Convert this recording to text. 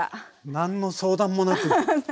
何の相談もなく。